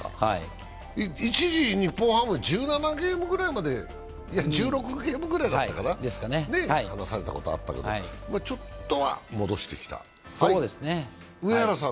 一時日本ハム１７ゲーム、１６ゲームぐらいまでだったかな、離されたことあったけど、ちょっとは戻してきた。